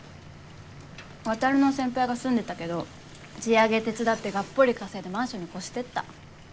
ワタルの先輩が住んでたけど地上げ手伝ってがっぽり稼いでマンションに越してった。